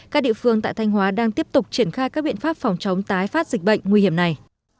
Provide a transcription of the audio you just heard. các địa phương tại thanh hóa đang tiếp tục triển khai các biện pháp phòng chống tái phát dịch bệnh nguy hiểm này